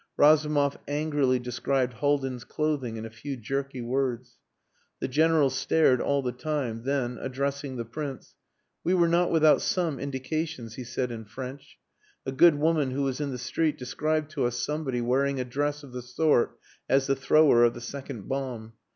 Razumov angrily described Haldin's clothing in a few jerky words. The General stared all the time, then addressing the Prince "We were not without some indications," he said in French. "A good woman who was in the street described to us somebody wearing a dress of the sort as the thrower of the second bomb.